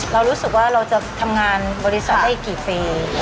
เรารู้สึกว่าเราจะทำงานบริษัทได้อีกกี่ปี